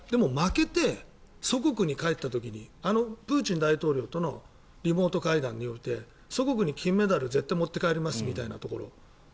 負けて、祖国に帰った時あのプーチン大統領とのリモート会談において祖国に金メダル絶対持って帰りますみたいなところ。